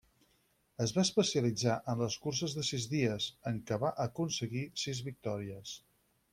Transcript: Es va especialitzar en les curses de sis dies, en què va aconseguir sis victòries.